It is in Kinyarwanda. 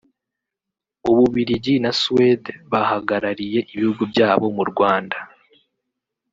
u Bubiligi na Suède bahagarariye ibihugu byabo mu Rwanda